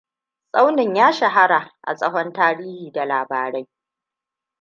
Tsaunin ya shahara a tsohon tarihi da labarai.